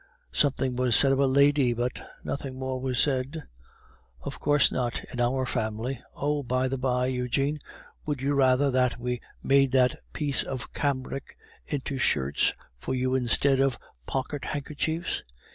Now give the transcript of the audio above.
"Something was said of a lady, but nothing more was said... "Of course not, in our family! Oh, by the by, Eugene, would you rather that we made that piece of cambric into shirts for you instead of pocket handkerchiefs?